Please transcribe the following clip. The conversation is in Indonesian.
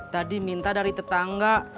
tadi minta dari tetangga